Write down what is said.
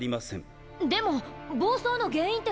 でも暴走の原因ってまだ。